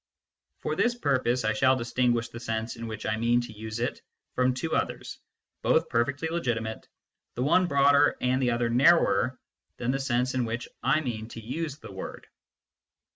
For this purpose I shall distinguish the sense in which I mean to use it from two others, both perfectly legitimate, the one broader and the other narrower than the sense in which I mean to use the word.